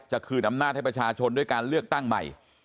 คืนอำนาจให้ประชาชนด้วยการเลือกตั้งใหม่